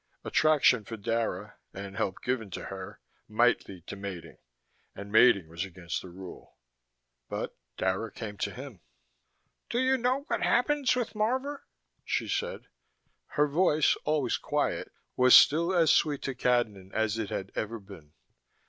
Attraction for Dara, and help given to her, might lead to mating, and mating was against the rule. But Dara came to him. "Do you know what happens with Marvor?" she said. Her voice, always quiet, was still as sweet to Cadnan as it had ever been.